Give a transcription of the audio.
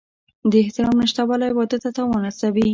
د احترام نشتوالی واده ته تاوان رسوي.